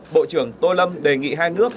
bộ trưởng tô lâm đề nghị hai nước